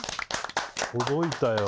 届いたよ。